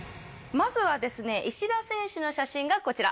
まずはですね石田選手の写真がこちら。